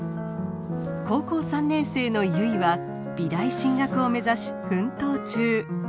高校３年生の結は美大進学を目指し奮闘中。